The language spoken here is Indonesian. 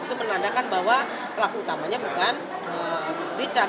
itu menandakan bahwa pelaku utamanya bukan richard